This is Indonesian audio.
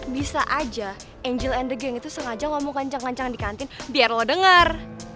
bisa aja angel and the game itu sengaja ngomong kencang kencang di kantin biar lo dengar